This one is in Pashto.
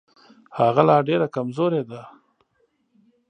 هغه لا ډېره کمزورې ده.